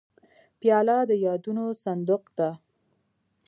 پیاله د یادونو صندوق ده.